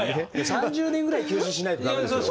３０年ぐらい休止しないと駄目ですよ。